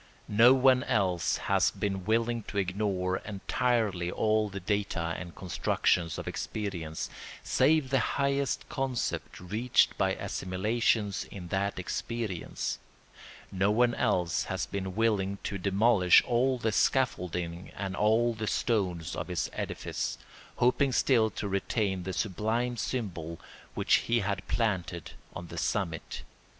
No one else has been willing to ignore entirely all the data and constructions of experience, save the highest concept reached by assimilations in that experience; no one else has been willing to demolish all the scaffolding and all the stones of his edifice, hoping still to retain the sublime symbol which he had planted on the summit.